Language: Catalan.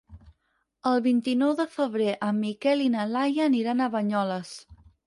El vint-i-nou de febrer en Miquel i na Laia aniran a Banyoles.